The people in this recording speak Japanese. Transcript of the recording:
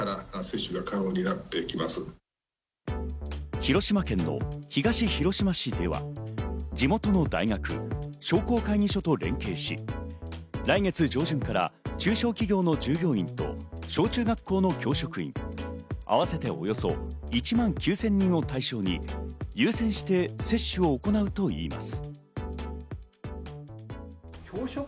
広島県の東広島市では地元の大学、商工会議所と連携し、来月上旬から中小企業の従業員と小中学校の教職員、合わせておよそ１万９０００人を対象に優先して接種を行うといいます。